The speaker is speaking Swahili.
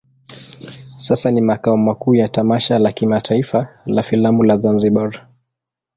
Sasa ni makao makuu ya tamasha la kimataifa la filamu la Zanzibar.